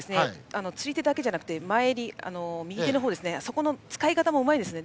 釣り手だけじゃなくて前襟、右手の方の使い方もうまいんですね。